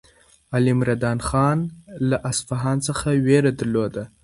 علیمردان خان له اصفهان څخه وېره درلوده.